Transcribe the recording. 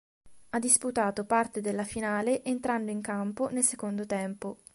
Ha disputato parte della finale entrando in campo nel secondo tempo.